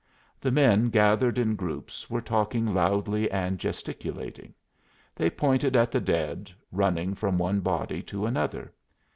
The men, gathered in groups, were talking loudly and gesticulating. They pointed at the dead, running from one body to another.